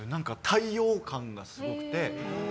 太陽感がすごくて。